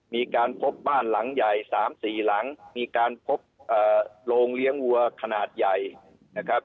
มีการพบบ้านหลังใหญ่๓๔หลังมีการพบโรงเลี้ยงวัวขนาดใหญ่นะครับ